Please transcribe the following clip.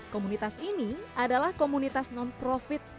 komunitas ini adalah komunitas non profit